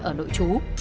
ở nội trú